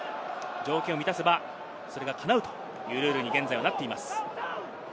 条件を満たせば、それがかなうというルールに現在はなっています。